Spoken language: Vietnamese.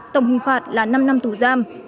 tổng hình phạt là năm năm tù giam